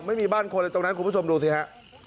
ไม่มีบ้านคนเลยตรงนั้นคุณผู้ชมดูสิฮะ